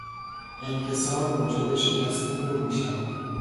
انکسار موجب شکست نور میشود.